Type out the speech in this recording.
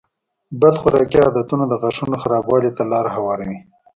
بد خوراکي عادتونه د غاښونو خرابوالي ته لاره هواروي.